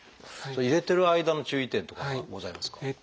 入れてる間の注意点とかはございますか？